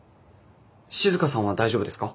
静さんは大丈夫ですか？